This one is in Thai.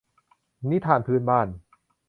นิทานพื้นบ้าน